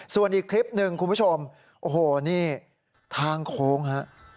ส่วนอีกคลิปหนึ่งคุณผู้ชมโอ้โหนี่ทางโค้งฮะ